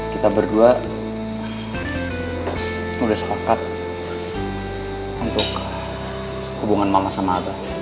kita berdua udah sepakat untuk hubungan mama sama aba